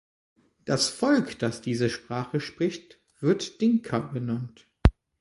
Das Volk, das diese Sprache spricht, wird Dinka genannt.